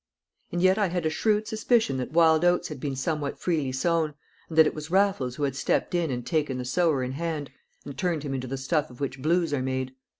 And yet I had a shrewd suspicion that wild oats had been somewhat freely sown, and that it was Raffles who had stepped in and taken the sower in hand, and turned him into the stuff of which Blues are made.